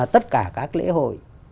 tất cả các lễ hội